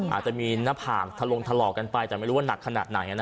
อาจจะมีหน้าผากทะลงถลอกกันไปแต่ไม่รู้ว่านักขนาดไหน